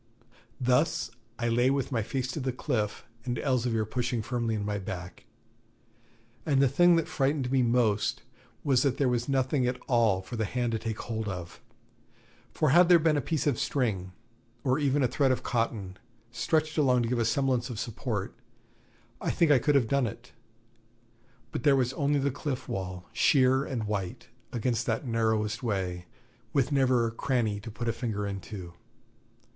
Thus I lay with my face to the cliff, and Elzevir pushing firmly in my back; and the thing that frightened me most was that there was nothing at all for the hand to take hold of, for had there been a piece of string, or even a thread of cotton, stretched along to give a semblance of support, I think I could have done it; but there was only the cliff wall, sheer and white, against that narrowest way, with never cranny to put a finger into.